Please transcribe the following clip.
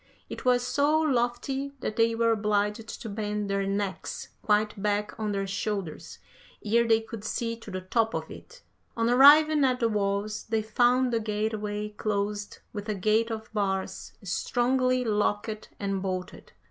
It was so lofty that they were obliged to bend their necks quite back on their shoulders ere they could see to the top of it. On arriving at the walls they found the gateway closed with a gate of bars strongly locked and bolted.